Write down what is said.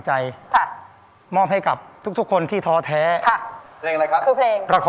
ช่วยฝังดินหรือกว่า